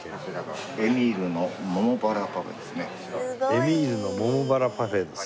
エミールの桃薔薇パフェです。